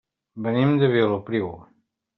Venim de Vilopriu.